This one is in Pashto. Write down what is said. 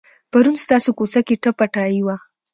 پرون ستاسو کوڅه کې ټپه ټایي وه.